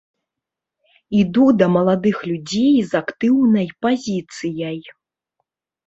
Іду да маладых людзей з актыўнай пазіцыяй.